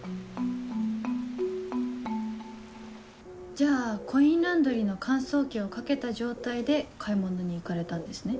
じゃあコインランドリーの乾燥機をかけた状態で買い物に行かれたんですね？